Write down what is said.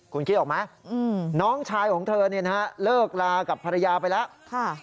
คุณคิดออกไหมน้องชายของเธอเลิกลากับภรรยาไปแล้ว